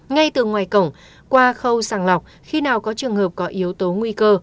ngay từ ngoài cổng qua khâu sàng lọc khi nào có trường hợp có yếu tố nguy cơ